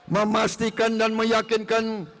memastikan dan meyakinkan